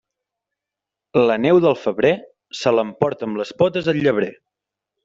La neu del febrer, se l'emporta amb les potes el llebrer.